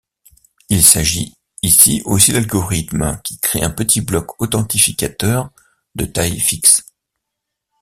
Il s’agit ici aussi d’algorithmes qui créent un petit bloc authentificateur de taille fixe.